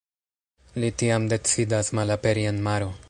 Li tiam decidas malaperi en maro.